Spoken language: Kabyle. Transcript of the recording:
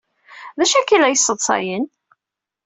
D acu akka ay la yesseḍsayen?